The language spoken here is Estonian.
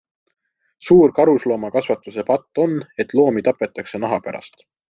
Suur karusloomakasvatuse patt on, et loomi tapetakse naha pärast.